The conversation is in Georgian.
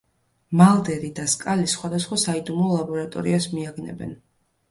მალდერი და სკალი სხვადასხვა საიდუმლო ლაბორატორიას მიაგნებენ.